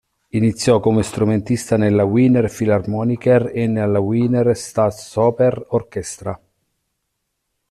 Iniziò come strumentista nella Wiener Philharmoniker e nella Wiener Staatsoper Orchestra.